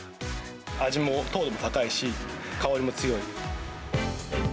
味も糖度も高いし、香りも強い。